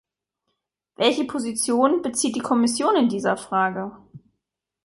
Welche Position bezieht die Kommission in dieser Frage?